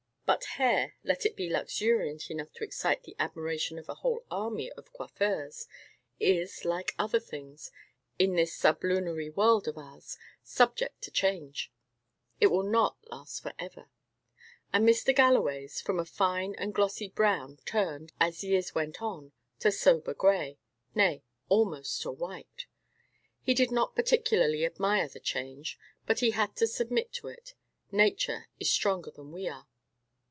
But hair, let it be luxuriant enough to excite the admiration of a whole army of coiffeurs, is, like other things in this sublunary world of ours, subject to change; it will not last for ever; and Mr. Galloway's, from a fine and glossy brown, turned, as years went on, to sober grey nay, almost to white. He did not particularly admire the change, but he had to submit to it. Nature is stronger than we are.